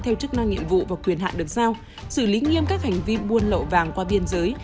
theo chức năng nhiệm vụ và quyền hạn được giao xử lý nghiêm các hành vi buôn lậu vàng qua biên giới